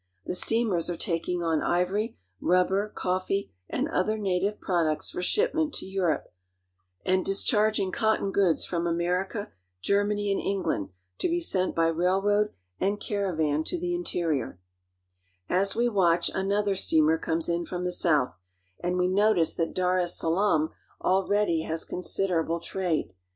The steamers are taking on ivory, rubber, coffee, and other native products for shipment to Europe, and discharging cotton goods from America, Germany, and England, to be sent by caravan to the inte As we watch, anothi steamer comes in from the south ; and we notice that Dar es Salaam al ^ I '^■^^^^^^^^^1 ready has considerable W b^H^^^^I^^^B trade.